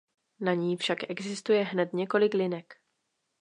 Na ní však existuje hned několik linek.